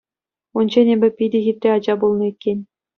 Унччен эпӗ питӗ хитре ача пулнӑ иккен.